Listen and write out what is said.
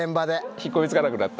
引っ込みつかなくなった。